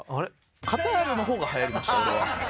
カタールの方が流行りました俺は。